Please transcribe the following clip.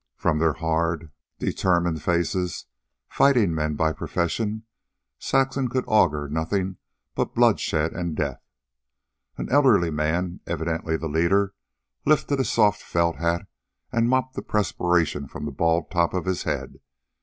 From their hard, determined faces fighting men by profession Saxon could augur nothing but bloodshed and death. An elderly man, evidently the leader, lifted a soft felt hat and mopped the perspiration from the bald top of his head.